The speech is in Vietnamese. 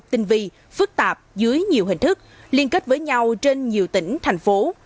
tinh vi phức tạp dưới nhiều hình thức liên kết với nhau trên nhiều tỉnh thành phố